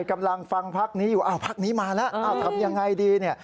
กำลังฟังพักนี้อยู่พักนี้มาแล้วทำอย่างไรดี